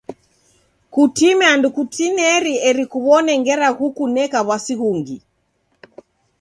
Kutime andu kutineri eri kuw'one ngera ghukuneka w'asi ghungi.